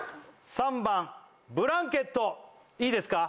３番ブランケットいいですか？